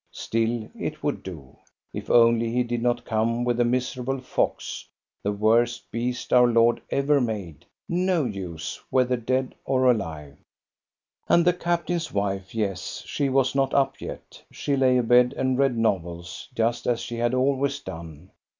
Still, it would do, if only he did not come with a miserable fox, the worst beast our Lord ever made ; no use, whether dead or alive. GOSTA BERLING, POET 65 And the captain's wife, yes, she was not up yet. She ]ay abed and read novels, just as she had always done.